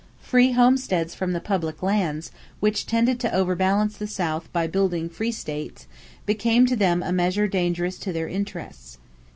Free homesteads from the public lands, which tended to overbalance the South by building free states, became to them a measure dangerous to their interests.